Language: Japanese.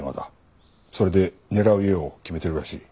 それで狙う家を決めてるらしい。